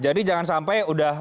jadi jangan sampai udah